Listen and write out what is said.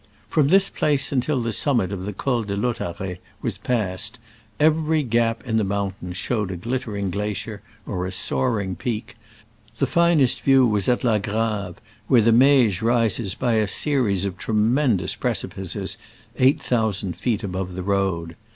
From this place until the summit of the Col de Lautaret was passed, every gap in the mountains showed a glittering glacier or a soaring peak : the finest view was at La Grave, where the Meije rises by a series of tremendous precipices eight thousand feet above the road.